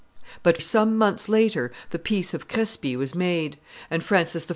But some months later the peace of Crespy was made; and Francis I.